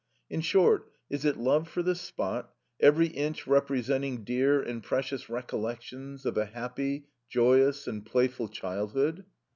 In short, is it love for the spot, every inch representing dear and precious recollections of a happy, joyous, and playful childhood?